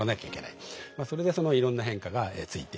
まあそれでそのいろんな変化がついていく。